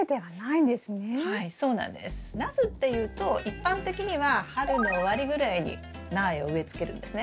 ナスっていうと一般的には春の終わりぐらいに苗を植えつけるんですね。